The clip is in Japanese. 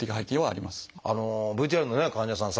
ＶＴＲの患者さん